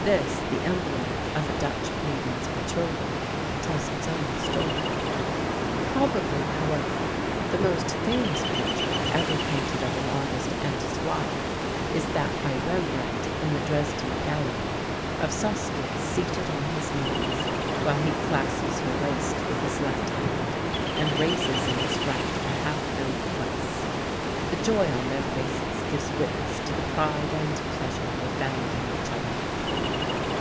This, the emblem of a Dutch maiden's betrothal, tells its own story. [Illustration: REMBRANDT, BY HIMSELF In the Royal Gallery, Berlin.] Probably, however, the most famous portrait ever painted of an artist and his wife is that by Rembrandt in the Dresden Gallery, of Saskia seated on his knees while he clasps her waist with his left hand and raises in his right a half filled glass. The joy on their faces gives witness to the pride and pleasure they found in each other.